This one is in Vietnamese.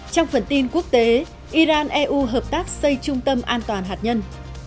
trong phần tin quốc tế iran eu hợp tác xây trung tâm an toàn hạt nhân